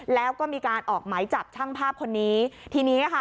แล้วก็มีการออกไหมจับช่างภาพคนนี้ทีนี้ค่ะ